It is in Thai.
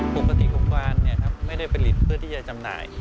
ปกติของกวานไม่ได้ผลิตเพื่อที่จะจำหน่าย